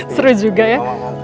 seru juga ya